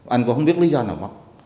anh có không biết lý do nào mất